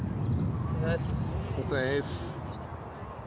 お疲れさまです